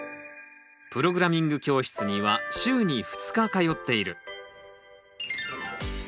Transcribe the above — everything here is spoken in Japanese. プログラミング教室には週に２日通っている。